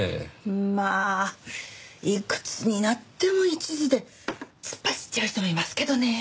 まあいくつになっても一途で突っ走っちゃう人もいますけどねえ。